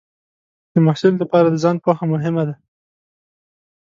د محصل لپاره د ځان پوهه مهمه ده.